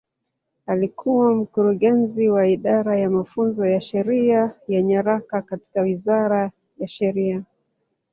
Alikuwa Mkurugenzi wa Idara ya Mafunzo ya Sheria na Nyaraka katika Wizara ya Sheria.